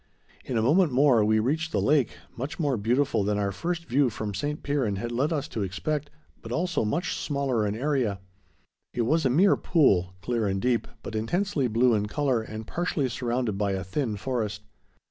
In a moment more we reached the lake, much more beautiful than our first view from St. Piran had led us to expect, but, also, much smaller in area. It was a mere pool, clear and deep, but intensely, blue in color and partially surrounded by a thin forest.